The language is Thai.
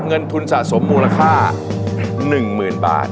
เงินทุนสะสมมูลค่า๑๐๐๐บาท